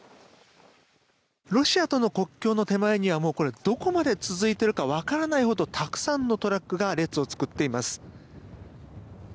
ロシアとの国境の手前にはどこまで続いているか分からないほどたくさんのトラックが列を作っています。